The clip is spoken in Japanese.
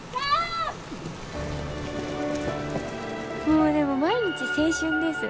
もうでも毎日青春です。